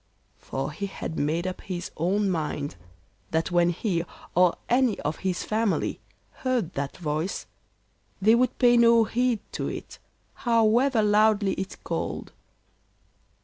For he had made up his own mind that when he or any of his family heard that voice they would pay no heed to it, however loudly it called.